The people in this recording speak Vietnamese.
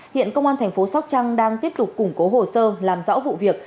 hiện công an thành phố sóc trăng đang tiếp tục củng cố hồ sơ làm rõ vụ việc